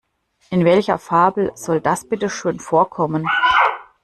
In welcher Fabel soll das bitteschön vorkommen?